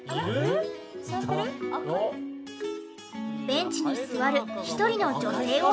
ベンチに座る一人の女性を発見。